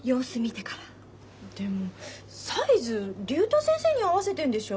でもサイズ竜太先生に合わせてんでしょ？